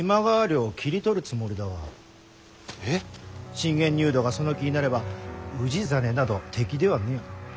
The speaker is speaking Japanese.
信玄入道がその気になれば氏真など敵ではにゃあ。